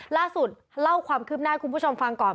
ล่าสุดเล่าความคืบหน้าให้คุณผู้ชมฟังก่อน